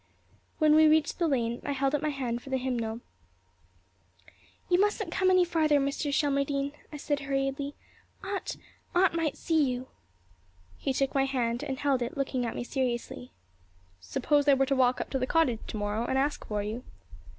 When we reached the lane I held out my hand for the hymnal. "You mustn't come any further, Mr. Shelmardine," I said hurriedly. "Aunt Aunt might see you." He took my hand and held it, looking at me seriously. "Suppose I were to walk up to the cottage tomorrow and ask for you?"